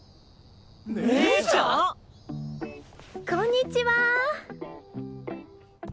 こんにちは。